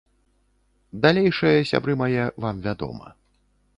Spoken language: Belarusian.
Далейшае, сябры мае, вам вядома.